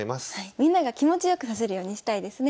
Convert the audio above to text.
みんなが気持ちよく指せるようにしたいですね。